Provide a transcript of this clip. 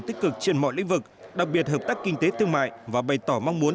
tích cực trên mọi lĩnh vực đặc biệt hợp tác kinh tế thương mại và bày tỏ mong muốn